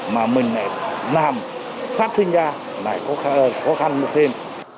mà mình lại làm phát sinh ra lại khó khăn một thêm